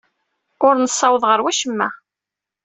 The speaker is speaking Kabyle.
Ur nessaweḍ ɣer wacemma.